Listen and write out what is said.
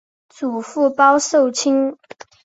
祖父鲍受卿。